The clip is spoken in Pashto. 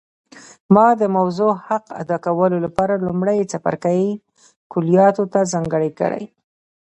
ما د موضوع حق ادا کولو لپاره لومړی څپرکی کلیاتو ته ځانګړی کړ